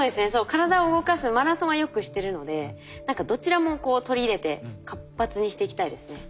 体を動かすマラソンはよくしてるので何かどちらも取り入れて活発にしていきたいですね脳を。